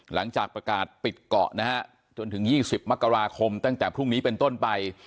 หลังจากประกาศปิดเกาะนะฮะจนถึง๒๐มกราคมตั้งแต่พรุ่งนี้เป็นต้นไป